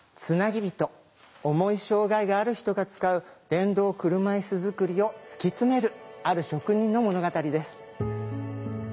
重い障害がある人が使う電動車いす作りを突き詰めるある職人の物語です。